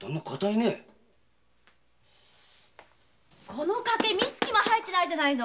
この掛け三月も入ってないじゃないの！